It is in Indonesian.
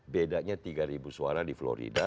bedanya tiga ribu suara di florida